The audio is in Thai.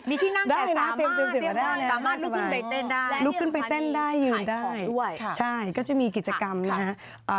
มีที่นั่งแต่สามารถสามารถลุกขึ้นไปเต้นได้ยืนได้ใช่ก็จะมีกิจกรรมนะฮะ